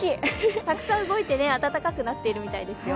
たくさん動いて暖かくなっているみたいですよ。